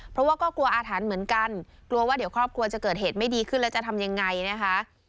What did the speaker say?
เพราะว่าก็กลัวอาถรรพ์เหมือนกันกลัวว่าเดี๋ยวครอบครัวจะเกิดเหตุไม่ดีขึ้นแล้วจะทำยังไงนะคะ